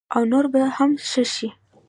او نور به هم ښه شي.